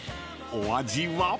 ［お味は？］